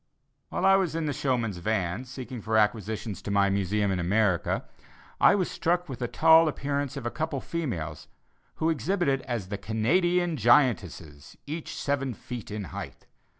While in the showmen's vans seeking for acquisitions to my Museum in America, I was struck with the tall appearance of a couple of females who exhibited as the "Canadian giantesses, each seven feet in height."